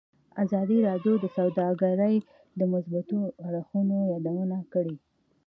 ازادي راډیو د سوداګري د مثبتو اړخونو یادونه کړې.